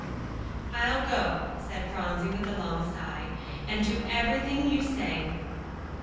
"I'll go," said Phronsie with a long sigh, "and do every thing you say."